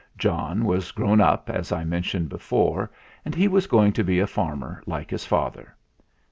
John was grown up, as I mentioned before, and he was going to be a farmer like his father.